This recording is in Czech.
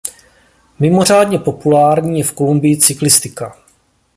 Mimořádně populární je v Kolumbii cyklistika.